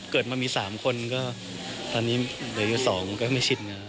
เกิดมามีสามคนก็ตอนนี้เดี๋ยวอยู่สองก็ไม่ชินนะ